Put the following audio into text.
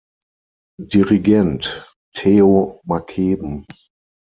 Dirigent: Theo Mackeben.